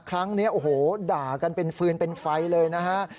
ครั้งนี้โอ้โหด่ากันเป็นฟืนเป็นไฟเลยนะฮะ